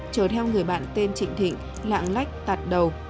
chờ theo người bạn tên trịnh thịnh lạng lách tặt đầu